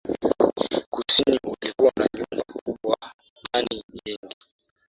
Kusini ulikuwa na nyumba kubwa tani nyingi